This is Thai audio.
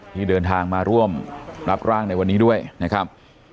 ที่เดินทางมาร่วมรับร่างในวันนี้ด้วยนะครับ